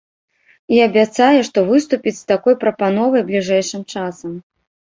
І абяцае, што выступіць з такой прапановай бліжэйшым часам.